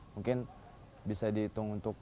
mungkin bisa dihitung untuk